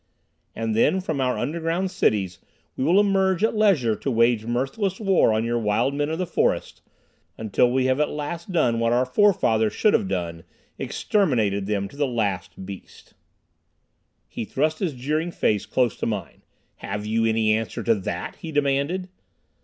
"And then, from our underground cities we will emerge at leisure to wage merciless war on your wild men of the forest, until we have at last done what our forefathers should have done, exterminated them to the last beast." He thrust his jeering face close to mine. "Have you any answer to that?" he demanded.